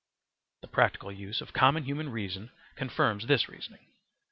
The practical use of common human reason confirms this reasoning.